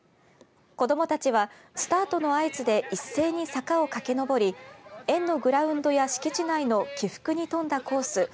子どもたちはスタートの合図で一斉に坂を駆けのぼり園のグラウンドや敷地内の起伏にとんだコース